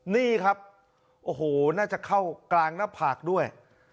นี่ครับโอ้โหน่าจะเข้ากลางหน้าผากด้วย